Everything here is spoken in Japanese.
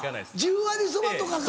十割そばとかか。